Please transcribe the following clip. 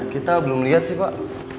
kita belum lihat sih pak